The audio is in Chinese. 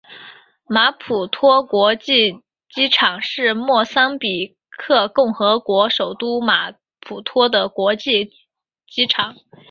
马普托国际机场是莫桑比克共和国首都马普托的国际机场。